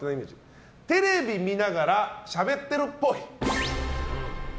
テレビ見ながらしゃべってるっぽい。